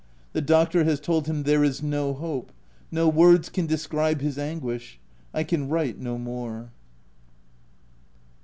The doctor has told him there is no hope — no words can describe his anguish — I can write no more.